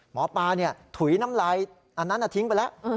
หมอปลาถุยน้ำลายอันนั้นทิ้งไปแล้ว